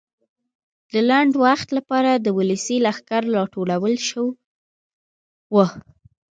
د لنډ وخت لپاره د ولسي لښکر راټولول شو وو.